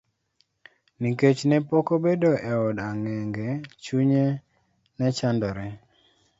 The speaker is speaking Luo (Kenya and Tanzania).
Nikech ne pok obedo e od ang'enge, chunye nechandore.